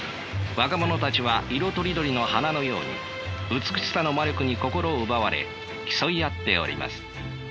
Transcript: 若者たちは色とりどりの花のように美しさの魔力に心奪われ競い合っております。